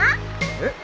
えっ？